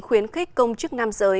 khuyến khích công chức nam giới